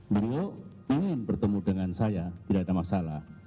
beliau ingin bertemu dengan saya tidak ada masalah